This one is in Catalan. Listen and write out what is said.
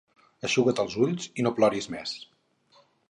Eixuga't els ulls i no ploris més.